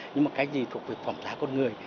nhưng mà cái gì thuộc về phỏng giá con người